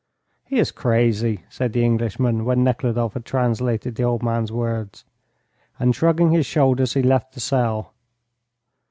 "He is crazy," said the Englishman, when Nekhludoff had translated the old man's words, and, shrugging his shoulders, he left the cell.